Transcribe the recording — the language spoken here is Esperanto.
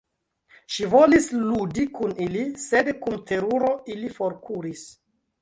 Ŝi volis ludi kun ili, sed kun teruro ili forkuris.